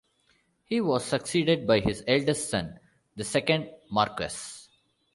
He was succeeded by his eldest son, the second Marquess.